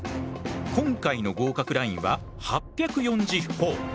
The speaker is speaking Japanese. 今回の合格ラインは８４０ほぉ。